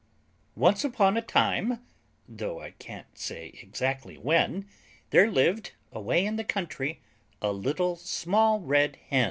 Once upon a time, Though I can't say exactly when, There lived, away in the country, A Little Small Red Hen.